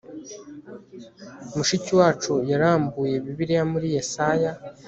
mushiki wacu yarambuye bibiliya muri yesaya